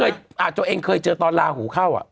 ตัวเองเคยเจอตอนลาหูเข้า